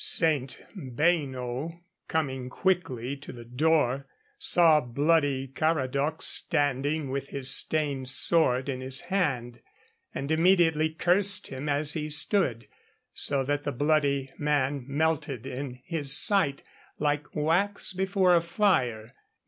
St. Beino coming quickly to the door saw bloody Caradoc standing with his stained sword in his hand, and immediately cursed him as he stood, so that the bloody man melted in his sight like wax before a fire.